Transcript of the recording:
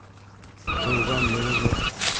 -Тыуған йылығыҙ?